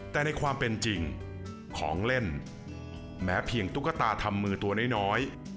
แต่ในความเป็นจริงของเล่นแม้เพียงตุ๊กตาทำมือตัวน้อย